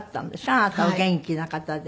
あなたお元気な方で。